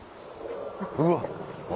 うわっ！